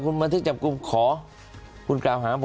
คุณบันทึกจับกลุ่มขอ